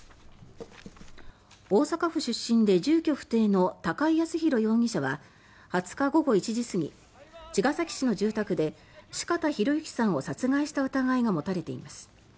大阪府出身で住居不定の高井靖弘容疑者は２０日午後１時過ぎ茅ヶ崎市の住宅で四方洋行さんを殺害した疑いが持たれています。